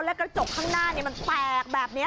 แล้วกระจกข้างหน้ามันแตกแบบนี้